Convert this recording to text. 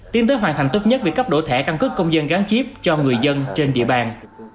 tiến tới hoàn thành tốt nhất việc cấp đổ thẻ căn cứ công dân gắn chiếp cho người dân trên địa bàn